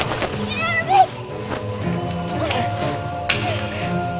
やめて！